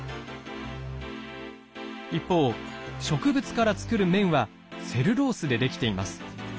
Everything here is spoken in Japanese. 一方植物から作る綿はセルロースでできています。